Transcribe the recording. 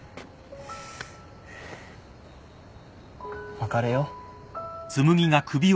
別れよう。